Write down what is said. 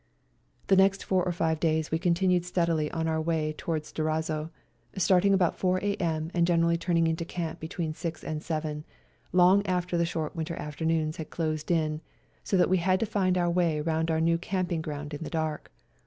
The next four or five days we continued steadily on our way towards Durazzo, starting about 4 a.m. and generally turning into camp between 6 and 7, long after the short winter afternoons had closed in, so that we had to find our way round our new camping ground in the dark.